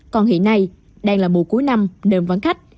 còn hiện nay đang là mùa cuối năm nên vắng khách